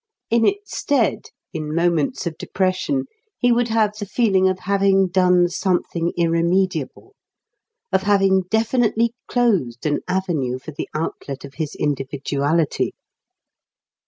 In its stead, in moments of depression, he would have the feeling of having done something irremediable, of having definitely closed an avenue for the outlet of his individuality.